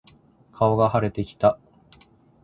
顔が腫れてきた。